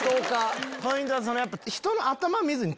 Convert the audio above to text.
ポイントは。